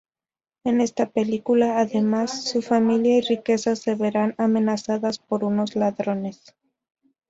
En esta película, además, su familia y riqueza se verán amenazadas por unos ladrones.